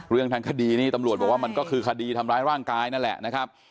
เรื่องทางคดีนี้ตำรวจบอกว่ามันก็คือคดีทำร้ายร่างกายนั่นแหละนะครับ